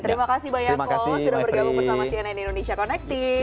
terima kasih banyak loh sudah bergabung bersama cnn indonesia connected